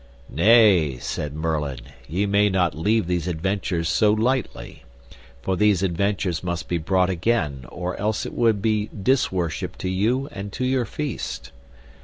Nay, said Merlin, ye may not leave these adventures so lightly; for these adventures must be brought again or else it would be disworship to you and to your feast.